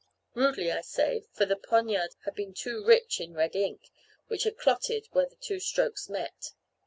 Rudely I say, for the poniard had been too rich in red ink, which had clotted where the two strokes met.